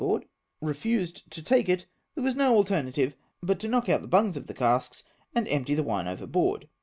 Board refused to take it, there was no alternative but to knock out the bungs of the casks, and empty the wine overboard.